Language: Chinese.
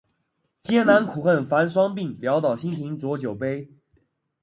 艰难苦恨繁霜鬓，潦倒新停浊酒杯